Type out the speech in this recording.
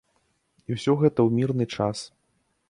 І ўсё гэта ў мірны час.